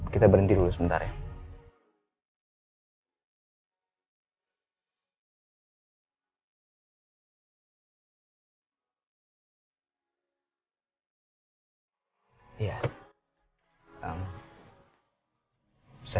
kita berhenti dulu sebentar ya